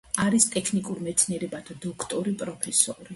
არის ტექნიკურ მეცნიერებათა დოქტორი, პროფესორი.